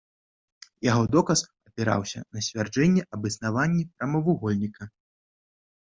Яго доказ апіраўся на сцвярджэнне аб існаванні прамавугольніка.